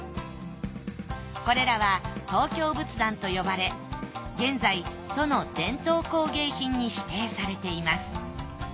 これらは東京仏壇と呼ばれ現在都の伝統工芸品に指定されています。